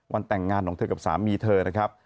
แต่งงานของเธอกับสามีเธอนะครับ